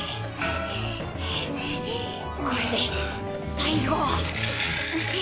これで最後。